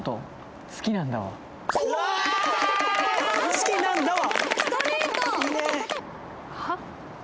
好きなんだわ。